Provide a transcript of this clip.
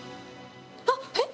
あっ、えっ？